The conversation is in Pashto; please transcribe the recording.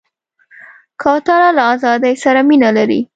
کوتره له آزادۍ سره مینه لري.